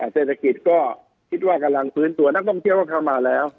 เศรษฐกิจก็คิดว่ากำลังฟื้นตัวนักท่องเที่ยวก็เข้ามาแล้ว